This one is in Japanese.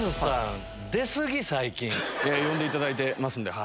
呼んでいただいてますんで。